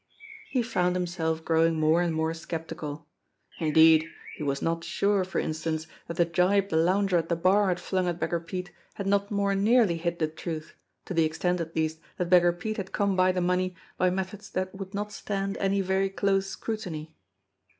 He found himself growing more and more skeptical. Indeed, he was not sure, for in stance, that the gibe the lounger at the bar had flung at Beggar Pete had not more nearly hit the truth, to the extent at least that Beggar Pete had come by the money by methods that would not stand any very close scrutiny.